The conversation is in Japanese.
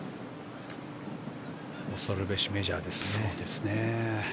恐るべしメジャーですね。